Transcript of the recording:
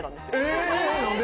ええ何で？